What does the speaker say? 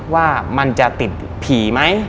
ว่ามันจะติดผีไหม